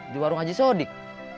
di warung haji sodik